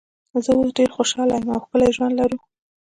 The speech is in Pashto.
زه اوس ډېره خوشاله یم او ښکلی ژوند لرو.